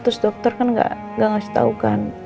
terus dokter kan gak ngasih tau kan